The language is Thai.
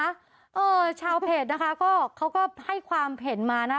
เออชาวเพจนะคะก็เขาก็ให้ความเห็นมานะ